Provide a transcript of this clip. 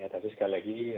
tapi sekali lagi